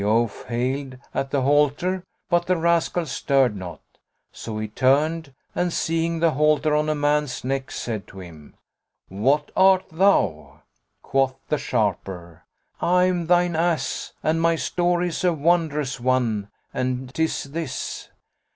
The oaf haled at the halter, but the rascal stirred not; so he turned and seeing the halter on a man's neck, said to him, "What art thou?" Quoth the sharper, "I am thine ass and my story is a wonderous one and tis this.